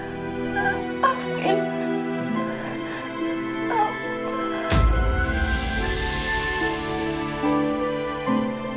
kenapa makan putih translucente ya huu expectations beverly